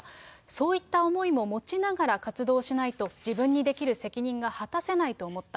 そういった思いも持ちながら活動しないと、自分にできる責任が果たせないと思った。